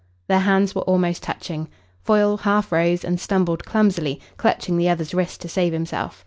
Their hands were almost touching. Foyle half rose and stumbled clumsily, clutching the other's wrist to save himself.